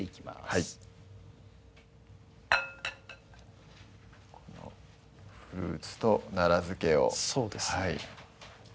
はいフルーツと奈良漬けをそうですね